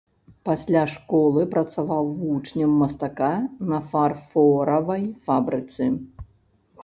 Пасля школы працаваў вучнем мастака на фарфоравай фабрыцы.